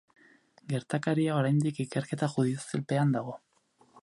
Gertakaria oraindik ikerketa judizialpean dago.